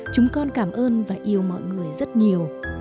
chúng con cảm ơn và yêu mọi người rất nhiều